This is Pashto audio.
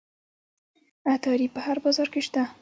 عطاري په هر بازار کې شته.